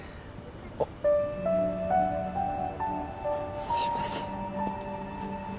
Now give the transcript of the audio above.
あっすいません